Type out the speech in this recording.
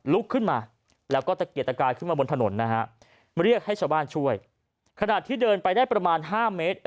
ลุกขึ้นมาแล้วก็ตะเกียดตะกายขึ้นมาบนถนนนะฮะเรียกให้ชาวบ้านช่วยขณะที่เดินไปได้ประมาณ๕เมตร